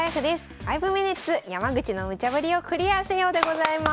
「５ｍｉｎｕｔｅｓ山口のムチャぶりをクリアせよ」でございます。